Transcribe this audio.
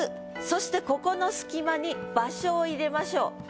そしてここの隙間に場所を入れましょう。